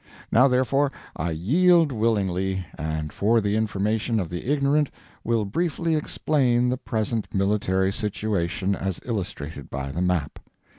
Now, therefore, I yield willingly, and for the information of the ignorant will briefly explain the present military situation as illustrated by the map.